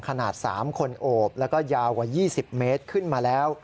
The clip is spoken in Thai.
ขนาด๓คนโอบแล้วก็ยาวกว่า๒๐เมตรขึ้นมาแล้ว